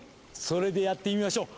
それでやってみましょう。